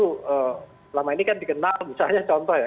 selama ini kan dikenal misalnya contoh ya